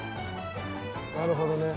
なるほどね。